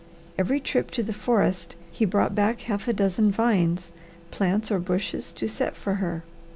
Every trip to the forest he brought back a half dozen vines, plants, or bushes to set for her.